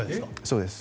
そうです。